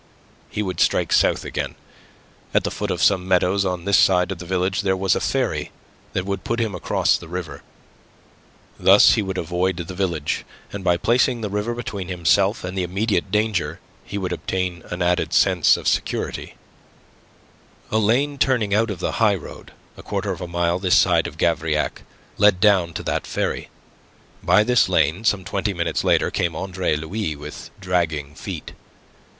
He would strike south again. At the foot of some meadows on this side of the village there was a ferry that would put him across the river. Thus he would avoid the village; and by placing the river between himself and the immediate danger, he would obtain an added sense of security. A lane, turning out of the highroad, a quarter of a mile this side of Gavrillac, led down to that ferry. By this lane some twenty minutes later came Andre Louis with dragging feet.